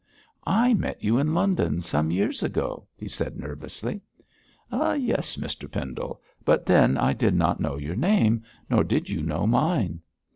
'I met you in London some years ago,' he said nervously. 'Yes, Mr Pendle; but then I did not know your name, nor did you know mine.'